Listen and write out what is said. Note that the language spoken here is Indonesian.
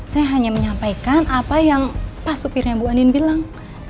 saya hanya menyampaikan apa yang pas supirnya bu anin bilang